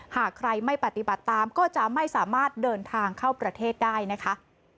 หากใครไม่ปฏิบัติตามก็จะไม่สามารถเดินทางเข้าประเทศได้นะคะ